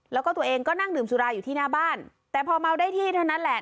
แล้วก็ตัวเองก็นั่งดื่มสุราอยู่ที่หน้าบ้านแต่พอเมาได้ที่เท่านั้นแหละ